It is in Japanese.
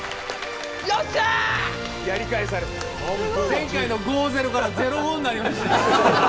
前回の５−０から０−５になりました。